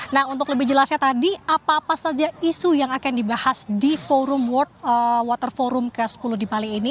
nah untuk lebih jelasnya tadi apa apa saja isu yang akan dibahas di forum water forum ke sepuluh di bali ini